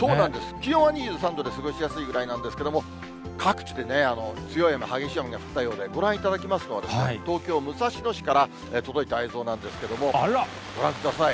気温は２３度で過ごしやすいぐらいなんですけれども、各地で強い雨、激しい雨が降ったようで、ご覧いただきますのは、東京・武蔵野市から届いた映像なんですけど、ご覧ください。